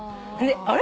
あれ？